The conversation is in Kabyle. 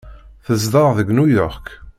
Tezdeɣ deg New York.